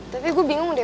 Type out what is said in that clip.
tapi gue bingung deh